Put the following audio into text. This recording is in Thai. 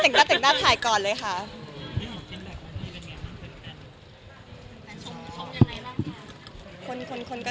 พี่อำกินแบบของพี่เป็นยังไงข้างขึ้นตัวนี้